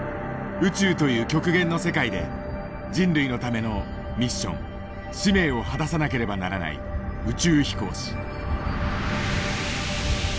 宇宙という極限の世界で人類のためのミッション使命を果たさなければならない宇宙飛行士。